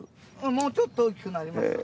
もうちょっと大きくなりますよ。